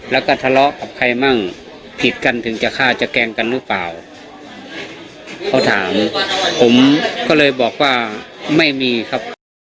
แล้วก็ทะเลาะกับใครมั่งผิดกันถึงจะฆ่าจะแกล้งกันหรือเปล่าเขาถามผมก็เลยบอกว่าไม่มีครับ